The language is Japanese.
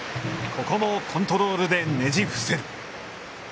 ここもコントロールでねじ伏せる。